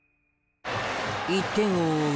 １点を追う